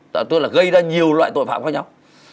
tôi là gây ra nhiều loại tội phạm khác nhau